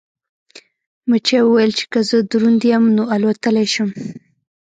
مچۍ وویل چې که زه دروند یم نو الوتلی شم.